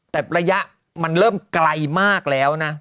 แต่ระยะมันเริ่มไกลมากแล้วนะ